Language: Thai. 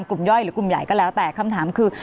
ย่อยหรือกลุ่มใหญ่ก็แล้วแต่คำถามคือ